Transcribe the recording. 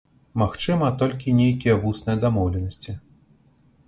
Магчыма, толькі нейкія вусныя дамоўленасці.